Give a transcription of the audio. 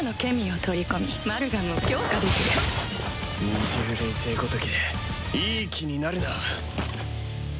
二重錬成ごときでいい気になるな。